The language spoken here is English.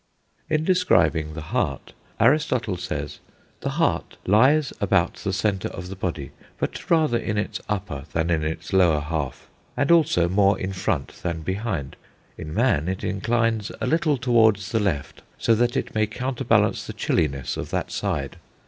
In describing the heart Aristotle says: "The heart lies about the centre of the body, but rather in its upper than in its lower half, and also more in front than behind.... In man it inclines a little towards the left, so that it may counterbalance the chilliness of that side.